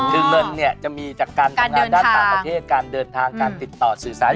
คือเงินเนี่ยจะมีจากการทำงานด้านต่างประเทศการเดินทางการติดต่อสื่อสาร